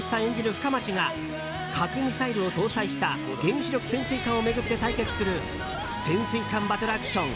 深町が核ミサイルを搭載した原子力潜水艦を巡って対決する潜水艦バトルアクション